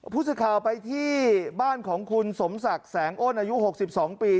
ผู้สื่อข่าวไปที่บ้านของคุณสมศักดิ์แสงอ้นอายุ๖๒ปี